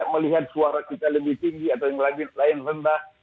melihat suara kita lebih tinggi atau yang lain rendah